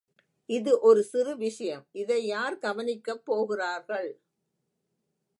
இது ஒரு சிறு விஷயம், இதை யார் கவனிக்கப் போகிறார்கள்?